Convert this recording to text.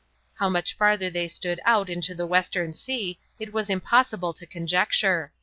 How much farther they stood out into the western sea it was impossible to conjecture.